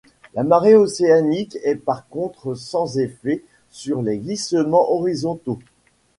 La marée océanique est par contre sans effet sur les glissements horizontaux.